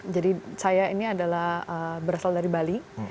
jadi saya ini adalah berasal dari bali